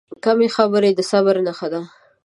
کمې خبرې، د صبر نښه ده.